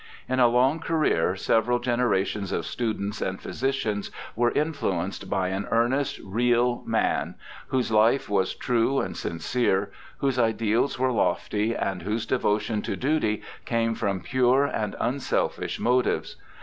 In a long career several generations of students and phy sicians were influenced by an earnest, real man, whose life was true and sincere, whose ideals were lofty, and whose devotion to duty came from pure and unselfish motives.